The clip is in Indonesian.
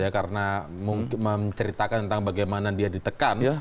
karena menceritakan tentang bagaimana dia ditekan